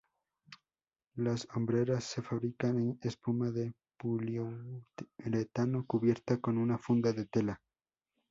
Las hombreras se fabrican en espuma de poliuretano cubierta con una funda de tela.